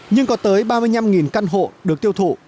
nhưng có tới ba mươi năm căn hộ được tiêu thụ